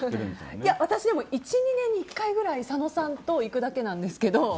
私は１２年に１回ぐらい佐野さんと行くだけなんですけど。